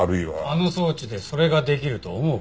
あの装置でそれができると思うか？